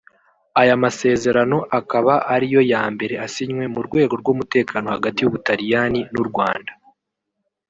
Aya masezerano akaba ariyo ya mbere asinywe mu rwego rw’umutekano hagati y’Ubutaliyani n’u Rwanda